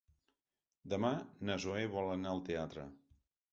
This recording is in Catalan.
Demà na Zoè vol anar al teatre.